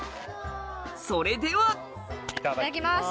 それではいただきます。